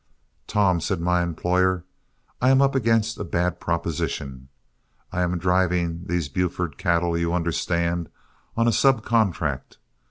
"Tom," said my employer, "I am up against a bad proposition. I am driving these Buford cattle, you understand, on a sub contract.